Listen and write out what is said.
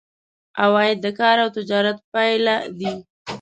عواید د کار او تجارت پایله دي.